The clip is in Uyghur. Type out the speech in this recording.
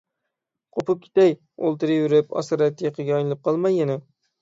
قوپۇپ كېتەي، ئولتۇرۇۋېرىپ ئاسارئەتىقىگە ئايلىنىپ قالماي يەنە.